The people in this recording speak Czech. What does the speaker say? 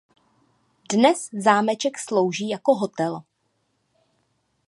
Dnes zámeček slouží jako hotel.